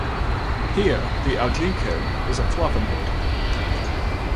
Here, the aglycone is a flavonoid.